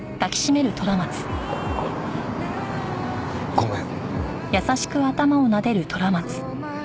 ごめん。